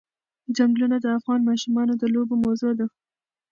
ځنګلونه د افغان ماشومانو د لوبو موضوع ده.